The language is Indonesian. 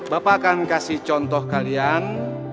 bapak akan kasih contoh kalian